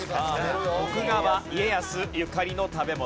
徳川家康ゆかりの食べ物。